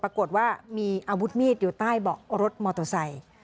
ปรากฏว่ามีอาวุธมีดอยู่ใต้เบาะรถมอเตอร์ไซค์